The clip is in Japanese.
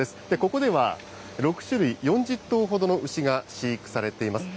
ここでは、６種類、４０頭ほどの牛が飼育されています。